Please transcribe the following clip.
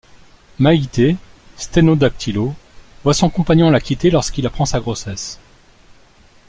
Maïté, sténodactylo, voit son compagnon la quitter lorsqu'il apprend sa grossesse.